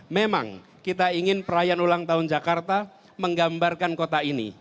memang kita ingin perayaan ulang tahun jakarta menggambarkan kota ini